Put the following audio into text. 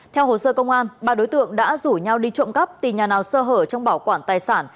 theo hồ sơ công an ba đối tượng đã rủ nhau đi trộm cắp từ nhà nào sơ hở trong bảo quản tài sản